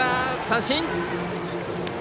三振！